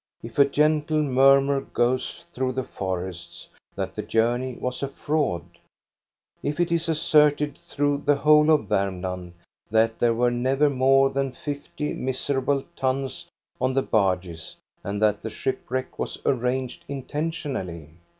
If a gentle murmur goes through the forests that the journey was a fraud ? If it is asserted through the whole of Varmland that there were never more than fifty miserable tons on the barges and that the shipwreck was arranged in tentionally?